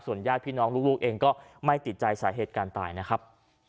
ญาติพี่น้องลูกเองก็ไม่ติดใจสาเหตุการณ์ตายนะครับ